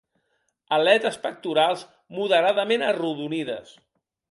Aletes pectorals moderadament arrodonides.